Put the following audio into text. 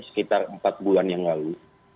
sekitar empat bulan yang lalu